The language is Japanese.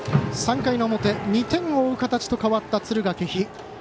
３回の表２点を追う形と変わった敦賀気比。